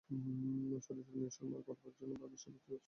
সুরেশের মেয়ে সুরমার পড়াবার ভার সে অতিরিক্ত উৎসাহের সঙ্গে নিলে।